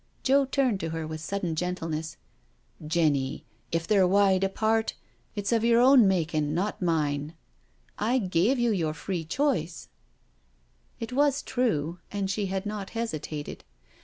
Joe turned to her with sudden gentleness: " Jenny, if they're wide apart, it's of your own making, not mine. I gave you your free choice." It was true, and she had not hesitated.